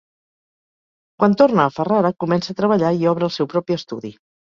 Quan torna a Ferrara comença a treballar i obre el seu propi estudi.